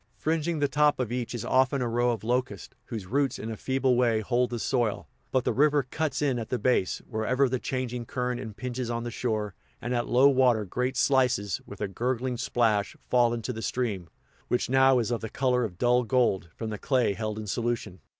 Fringing the top of each is often a row of locusts, whose roots in a feeble way hold the soil; but the river cuts in at the base, wherever the changing current impinges on the shore, and at low water great slices, with a gurgling splash, fall into the stream, which now is of the color of dull gold, from the clay held in solution.